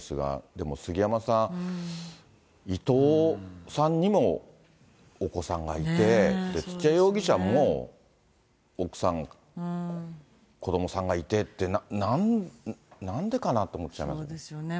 でも杉山さん、伊藤さんにもお子さんがいて、土屋容疑者も奥さん、子どもさんがいてって、そうですよね。